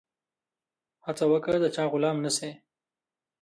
هڅه وکړه د چا غلام نه سي.